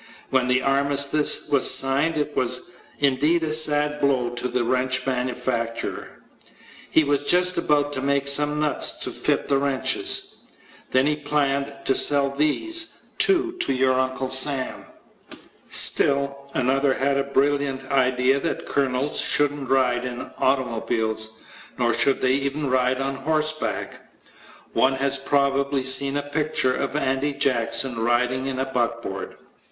When the Armistice was signed it was indeed a sad blow to the wrench manufacturer. He was just about to make some nuts to fit the wrenches. Then he planned to sell these, too, to your Uncle Sam. Still another had the brilliant idea that colonels shouldn't ride in automobiles, nor should they even ride on horseback. One has probably seen a picture of Andy Jackson riding in a buckboard.